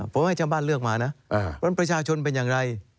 ผมให้ชาวบ้านเลือกมานะว่าประชาชนเป็นอย่างไร